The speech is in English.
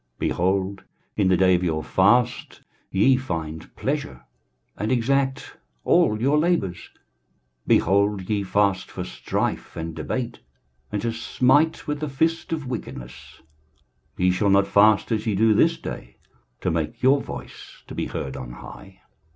Behold, in the day of your fast ye find pleasure, and exact all your labours. 23:058:004 Behold, ye fast for strife and debate, and to smite with the fist of wickedness: ye shall not fast as ye do this day, to make your voice to be heard on high.